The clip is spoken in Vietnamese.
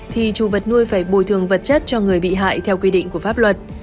thì chủ vật nuôi phải bồi thường vật chất cho người bị hại theo quy định của pháp luật